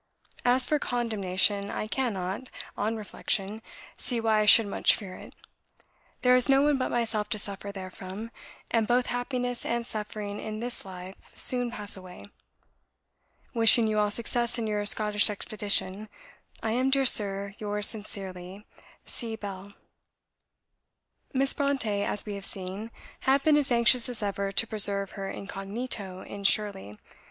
As for condemnation I cannot, on reflection, see why I should much fear it; there is no one but myself to suffer therefrom, and both happiness and suffering in this life soon pass away. Wishing you all success in your Scottish expedition, I am, dear Sir, yours sincerely, C. BELL." Miss Brontë, as we have seen, had been as anxious as ever to preserve her incognito in "Shirley."